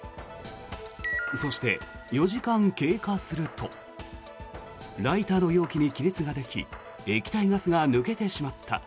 そして、４時間経過するとライターの容器に亀裂ができ液体ガスが抜けてしまった。